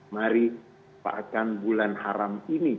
mari pakatkan bulan haram ini